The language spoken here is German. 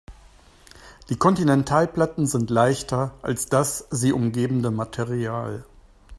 Die Kontinentalplatten sind leichter als das sie umgebende Material.